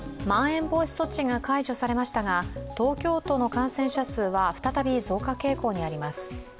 まん延防止措置が解除されましたが東京都の感染者数は再び増加傾向にあります。